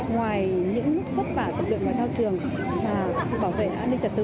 ngoài những khúc và tập luyện ngoại thao trường và bảo vệ an ninh trật tự